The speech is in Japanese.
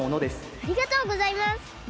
ありがとうございます！